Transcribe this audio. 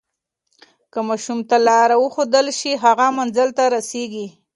که ماشوم ته لاره وښودل شي، هغه منزل ته رسیږي.